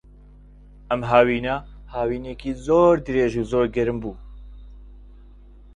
ئەم هاوینە، هاوینێکی زۆر درێژ و زۆر گەرم بوو.